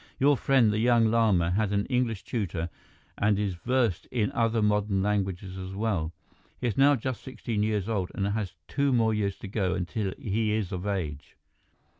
Your friend, the young Lama, had an English tutor and is versed in other modern languages as well. He is now just sixteen years old and has two more years to go until he is of age.